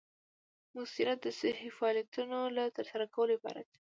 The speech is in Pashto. مؤثریت د صحیح فعالیتونو له ترسره کولو عبارت دی.